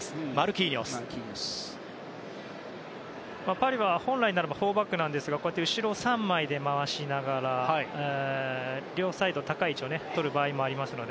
パリは、本来ならば４バックなんですがこうして後ろを３枚で回しながら両サイド、高い位置を取る場合もあるので。